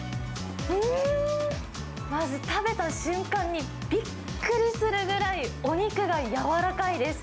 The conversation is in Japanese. まず食べた瞬間に、びっくりするぐらいお肉が柔らかいです。